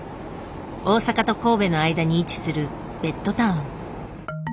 大阪と神戸の間に位置するベッドタウン。